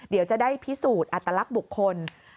เดี๋ยวจะได้พิสูจน์อัตลักษณ์บุคคล